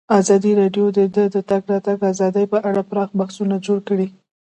ازادي راډیو د د تګ راتګ ازادي په اړه پراخ بحثونه جوړ کړي.